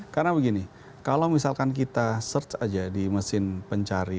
karena begini kalau misalkan kita search aja di mesin pencari